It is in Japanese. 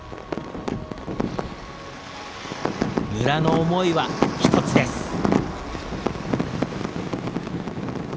村の思いは、一つです。